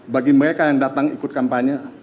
bagi mereka yang datang ikut kampanye